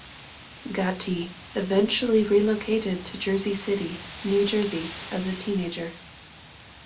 Gatti eventually relocated to Jersey City, New Jersey as a teenager.